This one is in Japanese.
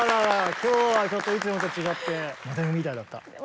今日はちょっといつもと違ってモデルみたいだった？